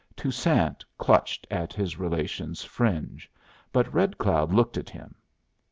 Toussaint clutched at his relation's fringe, but Red Cloud looked at him.